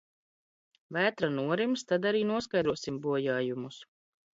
Vētra norims, tad arī noskaidrosim bojājumus.